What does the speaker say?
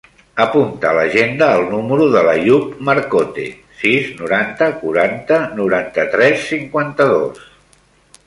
Apunta a l'agenda el número de l'Àyoub Marcote: sis, noranta, quaranta, noranta-tres, cinquanta-dos.